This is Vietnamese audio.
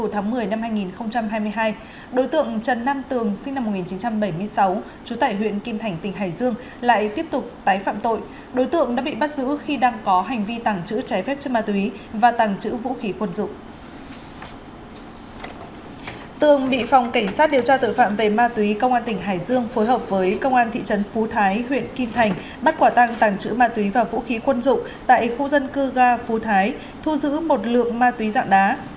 tường bị phòng cảnh sát điều tra tội phạm về ma túy công an tỉnh hải dương phối hợp với công an thị trấn phú thái huyện kim thành bắt quả tăng tàng trữ ma túy và vũ khí quân dụng tại khu dân cư ga phú thái thu giữ một lượng ma túy dạng đá